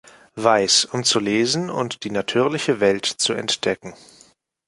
Weiß, um zu lesen und die natürliche Welt zu entdecken.